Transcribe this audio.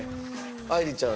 愛莉ちゃん